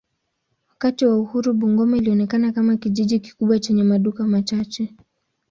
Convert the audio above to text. Wakati wa uhuru Bungoma ilionekana kama kijiji kikubwa chenye maduka machache.